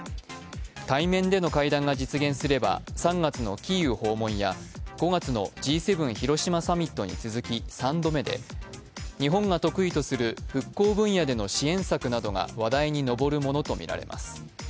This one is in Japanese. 対面での会談が実現すれば３月のキーウ訪問や５月のＧ７広島サミットに続き３度目で日本が得意とする復興分野での支援策などが話題に上るものとみられます。